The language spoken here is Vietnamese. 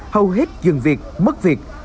hầu hết dân việt mất việc